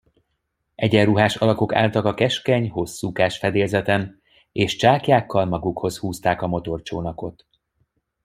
Egyenruhás alakok álltak a keskeny, hosszúkás fedélzeten, és csáklyákkal magukhoz húzták a motorcsónakot.